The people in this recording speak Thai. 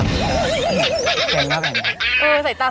เออแต่ตัดจ้านมากซิมดินเกาะครับ